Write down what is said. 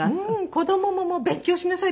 子どもももう「勉強しなさい！